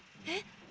え？